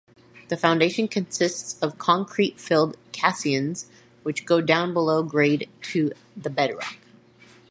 The foundation consists of concrete-filled caissons which go down below grade to the bedrock.